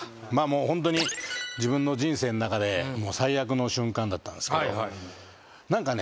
ホントに自分の人生の中で最悪の瞬間だったんですけど何かね